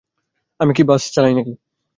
আমি কী বাস চালাই না-কি।